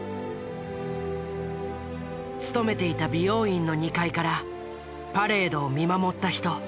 勤めていた美容院の２階からパレードを見守った人。